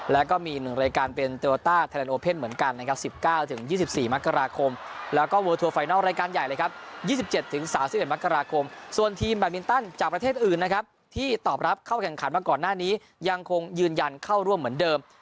และอื่นนะครับที่ตอบรับเข้าแข่งขันมาก่อนหน้านี้ยังคงยืนยันเข้าร่วมเหมือนเดิม